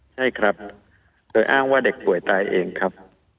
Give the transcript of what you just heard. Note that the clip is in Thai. ใช่ครับโดยอ้างว่าเด็กป่วยตายเองครับ